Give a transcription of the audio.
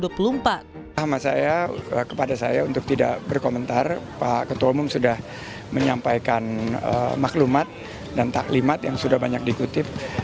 nama saya kepada saya untuk tidak berkomentar pak ketua umum sudah menyampaikan maklumat dan taklimat yang sudah banyak dikutip